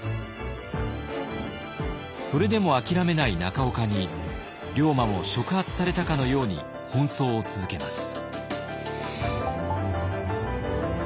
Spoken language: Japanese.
それでも諦めない中岡に龍馬も触発されたかのように奔走を続けます。